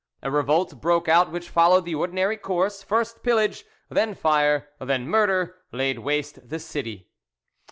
A revolt broke out which followed the ordinary course: first pillage, then fire, then murder, laid waste the city.